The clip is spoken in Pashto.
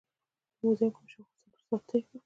په موزیم کې مې شاوخوا څلور ساعت تېر کړل.